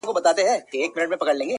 د احتیاج په ورځ د هر سړي غلام وي،